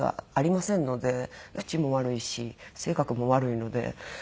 口も悪いし性格も悪いので。